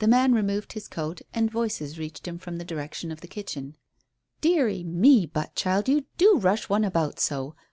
The man removed his coat, and voices reached him from the direction of the kitchen. "Dearie me, but, child, you do rush one about so.